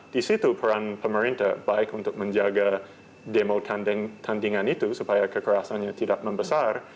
di situ peran pemerintah baik untuk menjaga demo tandingan itu supaya kekerasannya tidak membesar